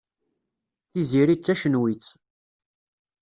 Tiziri d tacenwit.